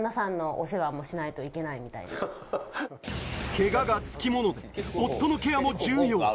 けががつきもので、夫のケアも重要。